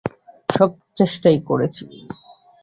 সব চেষ্টাই করেছি।